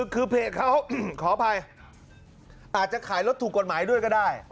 คือเพจเขาขออภัยอาจจะขายรถถูกกฎหมายด้วยก็ได้